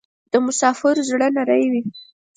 د مسافرو زړه نری وی